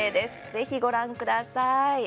ぜひ、ご覧ください。